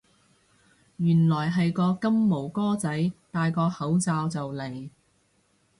原來係個金毛哥仔戴個口罩就嚟